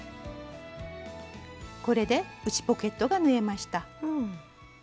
これで内ポケットが縫えました。